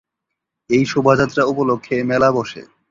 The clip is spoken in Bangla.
এই শোভাযাত্রা উপলক্ষে মেলা বসে।